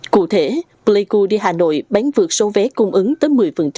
cụ thể pleiku đi hà nội bán vượt số vé cung ứng tới một mươi